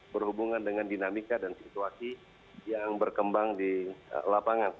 berhubungan dengan dinamika dan situasi yang berkembang di lapangan